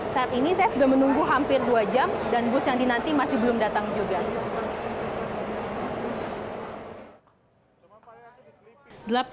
saat ini saya sudah menunggu hampir dua jam dan bus yang dinanti masih belum datang juga